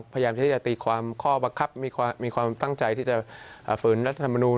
พยายามที่จะตีความข้อบังคับมีความตั้งใจที่จะฝืนรัฐธรรมนูล